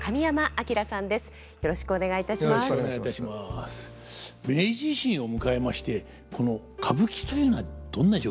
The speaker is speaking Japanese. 明治維新を迎えましてこの歌舞伎というのはどんな状況だったのでしょうか？